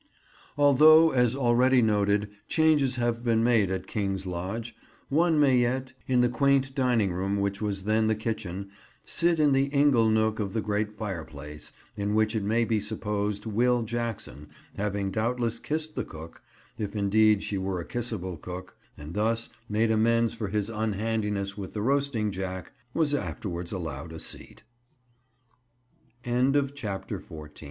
Although, as already noted, changes have been made at "King's Lodge," one may yet, in the quaint dining room which was then the kitchen, sit in the Ingle nook of the great fireplace, in which it may be supposed "Will Jackson," having doubtless kissed the cook—if indeed, she were a kissable cook—and thus made amends for his unhandiness with the roasting jack, was afterwards a